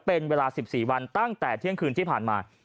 เป็นเวลา๑๔วันตั้งแต่เที่ยงคืนที่ผ่านมา